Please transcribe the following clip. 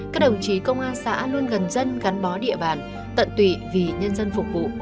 các đồng chí công an xã luôn gần dân gắn bó địa bàn tận tụy vì nhân dân phục vụ